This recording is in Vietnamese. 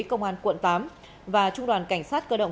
công an quận tám và trung đoàn cảnh sát cơ động